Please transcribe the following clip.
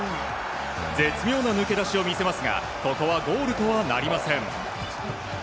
絶妙な抜け出しを見せますがここはゴールとはなりません。